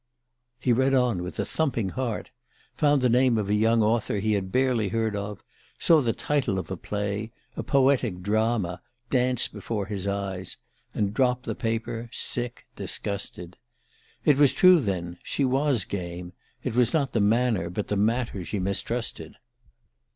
He read on with a thumping heart found the name of a young author he had barely heard of, saw the title of a play, a "poetic drama," dance before his eyes, and dropped the paper, sick, disgusted. It was true, then she was "game" it was not the manner but the matter she mistrusted!